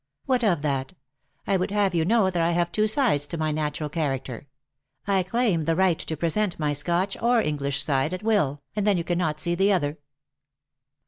" What of that ? I would have you know that I have two sides to my natural character. 1 claim the right to present my Scotch or English side at will, and then you cannot see the other."